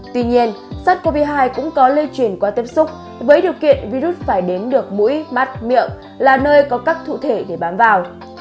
tuy nhiên sars cov hai cũng có lây truyền qua tiếp xúc với điều kiện virus phải đến được mũi mắt miệng là nơi có cách cụ thể để bám vào